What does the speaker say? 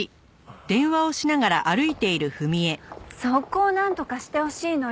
そこをなんとかしてほしいのよ。